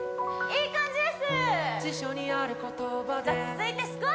いい感じです